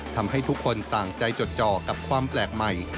ทำให้ทุกคนต่างใจจดจ่อกับความแปลกใหม่